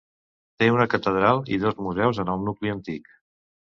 Té una catedral i dos museus en el nucli antic.